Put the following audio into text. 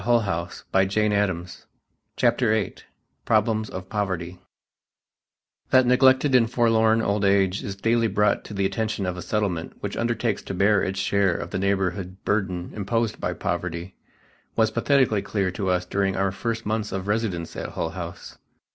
[Editor: Mary Mark Ockerbloom] CHAPTER VII PROBLEMS OF POVERTY That neglected and forlorn old age is daily brought to the attention of a Settlement which undertakes to bear its share of the neighborhood burden imposed by poverty, was pathetically clear to us during our first months of residence at Hull House.